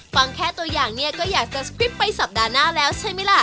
ฟังแค่ตัวอย่างเนี่ยก็อยากจะสคริปต์ไปสัปดาห์หน้าแล้วใช่ไหมล่ะ